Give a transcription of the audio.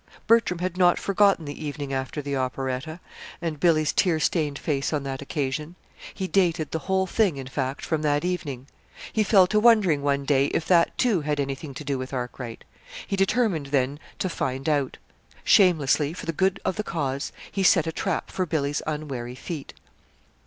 Bertram had not forgotten the evening after the operetta, and Billy's tear stained face on that occasion. He dated the whole thing, in fact, from that evening. He fell to wondering one day if that, too, had anything to do with Arkwright. He determined then to find out. Shamelessly for the good of the cause he set a trap for Billy's unwary feet.